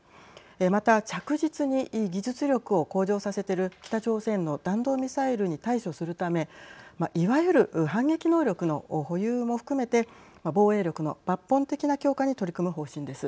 また着実に技術力を向上させている北朝鮮の弾道ミサイルに対処するためいわゆる反撃能力の保有も含めて防衛力の抜本的な強化に取り組む方針です。